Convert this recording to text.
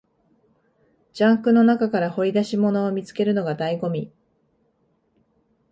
ジャンクの中から掘り出し物を見つけるのが醍醐味